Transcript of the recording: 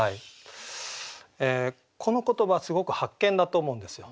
この言葉すごく発見だと思うんですよ。